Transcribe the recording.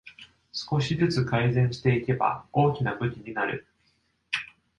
少しずつ改善していけば大きな武器になる